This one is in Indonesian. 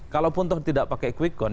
kalau pun tidak pakai kwikon